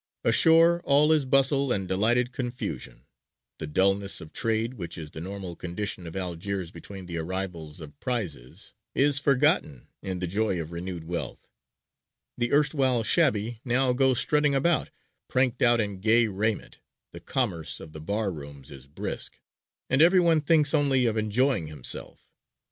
Ashore all is bustle and delighted confusion; the dulness of trade, which is the normal condition of Algiers between the arrivals of prizes, is forgotten in the joy of renewed wealth; the erstwhile shabby now go strutting about, pranked out in gay raiment, the commerce of the bar rooms is brisk, and every one thinks only of enjoying himself.